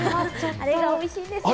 あれがおいしいんですよ。